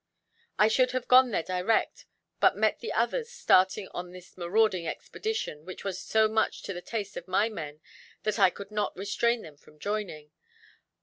I should have gone there direct, but met the others starting on this marauding expedition, which was so much to the taste of my men that I could not restrain them from joining.